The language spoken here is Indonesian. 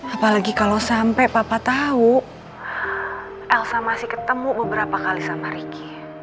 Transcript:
apalagi kalau sampai papa tahu elsa masih ketemu beberapa kali sama ricky